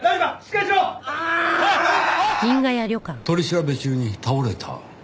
取り調べ中に倒れた？